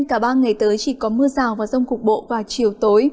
cả ba ngày tới chỉ có mưa rào và rông cục bộ vào chiều tối